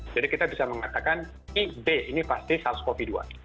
jadi kita bisa mengatakan b ini pasti sars cov dua